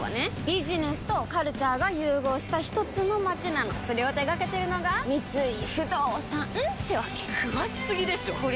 ビジネスとカルチャーが融合したひとつの街なのそれを手掛けてるのが三井不動産ってわけ詳しすぎでしょこりゃ